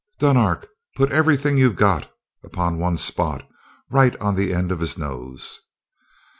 "Dunark, put everything you've got upon one spot right on the end of his nose!"